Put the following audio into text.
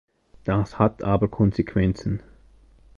Das hat aber Konsequenzen.